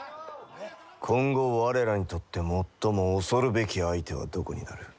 今後我らにとって最も恐るべき相手はどこになる？